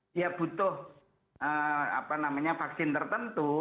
dia butuh vaksin tertentu